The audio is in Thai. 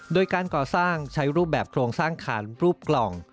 โดยการก่อสร้างใช้รูปแบบโครงสร้างขานรูปกล่อง